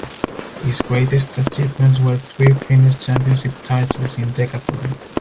His greatest achievements were three Finnish Championship titles in decathlon.